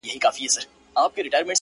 ستا خو صرف خندا غواړم چي تا غواړم ـ